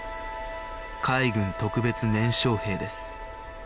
海軍特別年少兵です